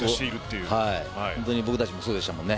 僕たちもそうでしたもんね。